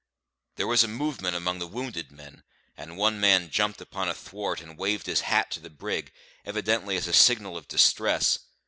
There was a movement among the wounded men; and one man jumped upon a thwart and waved his hat to the brig, evidently as a signal of distress.